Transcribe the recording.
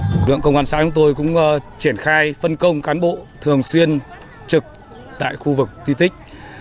lực lượng công an xã chúng tôi cũng triển khai phân công cán bộ thường xuyên trực tại khu vực di tích